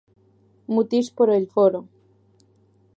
¡Mutis por el foro!